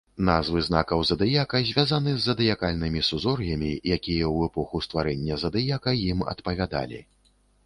Назвы знакаў задыяка звязаны з задыякальнымі сузор'ямі, якія ў эпоху стварэння задыяка ім адпавядалі.